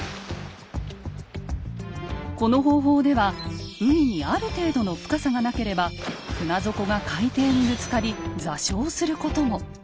この方法では海にある程度の深さがなければ船底が海底にぶつかり座礁することも。